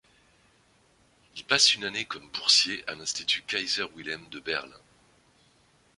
Il passe une année comme boursier à l'Institut Kaiser-Wilhelm de Berlin.